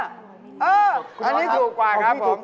อ้าวแล้ว๓อย่างนี้แบบไหนราคาถูกที่สุด